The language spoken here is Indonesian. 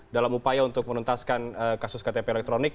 dalam upaya untuk menuntaskan kasus ktp elektronik